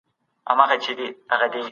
آیا تاسو کله د کمپيوټر پوهنې کورس لوستی دی؟